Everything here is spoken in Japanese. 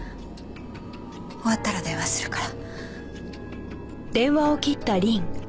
終わったら電話するから。